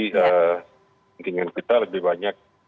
keinginan kita lebih banyak